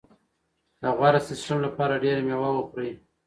د غوره سیستم لپاره ډېره مېوه وخورئ.